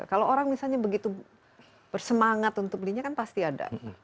kalau orang misalnya begitu bersemangat untuk belinya kan pasti ada